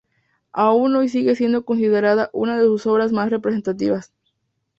Aún hoy sigue siendo considerada una de sus obras más representativas.